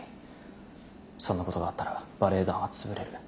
そんなことがあったらバレエ団はつぶれる。